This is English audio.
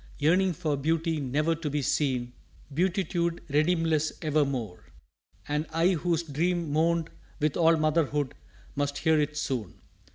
Yearning for beauty never to be seen Beatitude redeemless evermore! "And I whose dream mourned with all motherhood Must hear it soon!